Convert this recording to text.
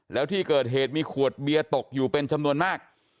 แล้วที่เกิดเหตุมีขวดเบียร์ตกอยู่เป็นจำนวนมาก